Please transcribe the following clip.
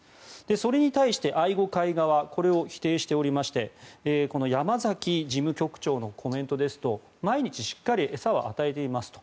それに対して愛護会側これを否定しておりまして山崎事務局長のコメントですと毎日しっかり餌は与えていますと。